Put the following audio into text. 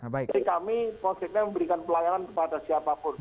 jadi kami konsepnya memberikan pelayanan kepada siapapun